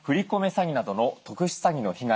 詐欺などの特殊詐欺の被害